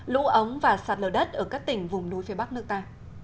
lũ ống và sạt lở đất ở các tỉnh vùng núi phía bắc nước ta